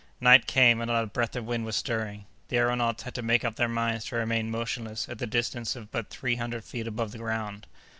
Night came, and not a breath of wind was stirring. The aëronauts had to make up their minds to remain motionless at the distance of but three hundred feet above the ground.